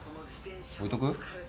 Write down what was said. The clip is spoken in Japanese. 置いとく？